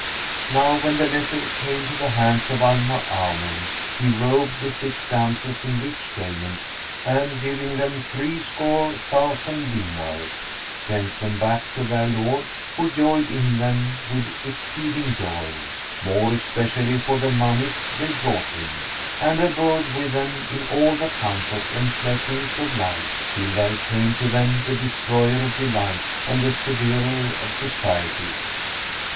Now when the letter came to the hands of Al Maamun, he robed the six damsels in rich raiment; and, giving them threescore thousand dinars, sent them back to their lord who joyed in them with exceeding joy[FN#387] (more especially for the monies they brought him), and abode with them in all the comfort and pleasance of life, till there came to them the Destroyer of delights and the Severer of societies.